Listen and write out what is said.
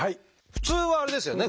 普通はあれですよね